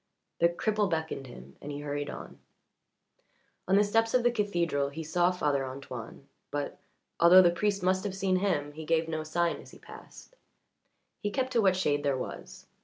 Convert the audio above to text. The cripple beckoned him and he hurried on. On the steps of the cathedral he saw Father Antoine, but, although the priest must have seen him, he gave no sign as he passed. He kept to what shade there was.